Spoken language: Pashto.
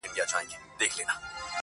ورسره څه وکړم بې وسه سترگي مړې واچوي_